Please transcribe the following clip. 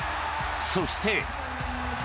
そして。